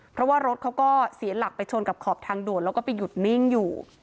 เพราะว่ารถเขาก็เสียหลักไปชนกับขอบทางด่วนแล้วก็ไปหยุดนิ่งอยู่